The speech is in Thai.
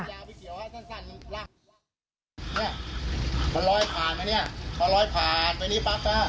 เนี้ยมันลอยผ่านอ่ะเนี้ยมันลอยผ่านไปนี่ปั๊กน่ะอ่า